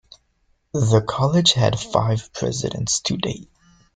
The college has had five presidents to date.